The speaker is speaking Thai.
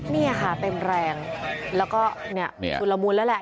นี่ค่ะเต็มแรงแล้วก็เนี่ยชุดละมุนแล้วแหละ